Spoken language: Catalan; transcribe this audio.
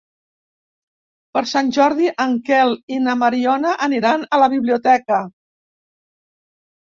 Per Sant Jordi en Quel i na Mariona aniran a la biblioteca.